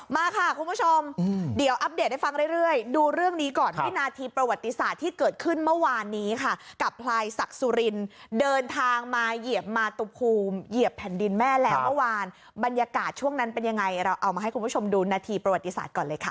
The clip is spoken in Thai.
มาค่ะคุณผู้ชมเดี๋ยวอัปเดตให้ฟังเรื่อยดูเรื่องนี้ก่อนวินาทีประวัติศาสตร์ที่เกิดขึ้นเมื่อวานนี้ค่ะกับพลายศักดิ์สุรินเดินทางมาเหยียบมาตุภูมิเหยียบแผ่นดินแม่แล้วเมื่อวานบรรยากาศช่วงนั้นเป็นยังไงเราเอามาให้คุณผู้ชมดูนาทีประวัติศาสตร์ก่อนเลยค่ะ